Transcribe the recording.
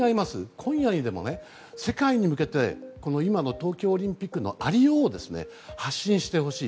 今夜にでも世界に向けて今の東京オリンピックのありようを発信してほしい。